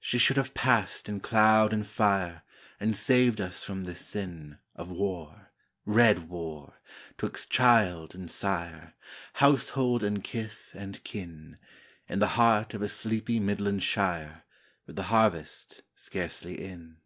She should have passed in cloud and fire And saved us from this sin Of war — red Avar — 'twixt child and sire, Household and kith and kin, In the heart of a sleepy Midland shire, With the harvest scarcely in.